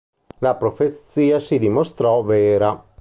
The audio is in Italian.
La profezia si dimostrò vera.